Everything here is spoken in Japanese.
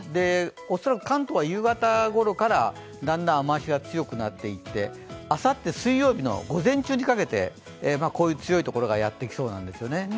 恐らく関東は夕方ごろからだんだん雨足が強くなっていって、あさって水曜日の午前中にかけてこういう強いところがやってきそうなんですよね。